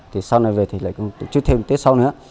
thì sau này về thì lại trước thêm tết sau nữa